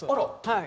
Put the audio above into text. はい。